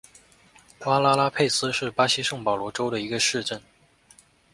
瓜拉拉佩斯是巴西圣保罗州的一个市镇。